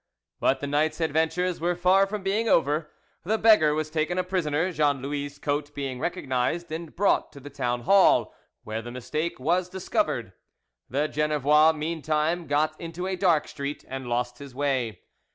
But the night's adventures were far from being over. The beggar was taken a prisoner, Jean Louis' coat being recognised, and brought to the town hall, where the mistake was discovered. The Genevois meantime got into a dark street, and lost his way.